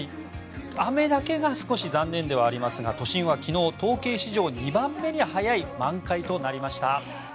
雨だけが少し残念ではありますが都心は昨日統計史上２番目に早い満開となりました。